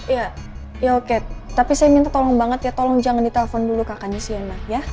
iya ya oke tapi saya minta tolong banget ya tolong jangan ditelepon dulu kakaknya sih enak ya